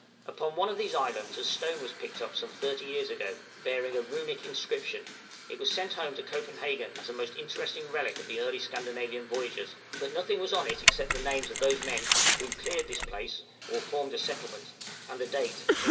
Upon one of these islands a stone was picked up some 30 years ago, bearing a Runic inscription; it was sent home to Copenhagen as a most interesting relic of the early Scandinavian voyagers; but nothing was on it except the names of those men "who cleared this place" (or formed a settlement), and the date, 1135.